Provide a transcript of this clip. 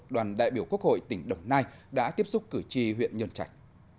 đoàn đại biểu quốc hội tỉnh đồng nai đã tiếp xúc cử tri huyện nhân trạch